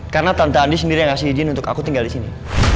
karena tante andi sendiri yang ngasih izin untuk aku tinggal disini